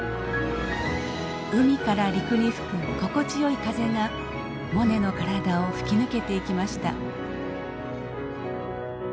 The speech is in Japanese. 海から陸に吹く心地よい風がモネの体を吹き抜けていきました。